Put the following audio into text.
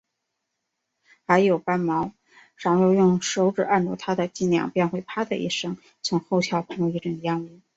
还有斑蝥，倘若用手指按住它的脊梁，便会啪的一声，从后窍喷出一阵烟雾